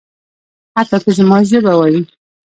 حتی که زما ژبه وايي.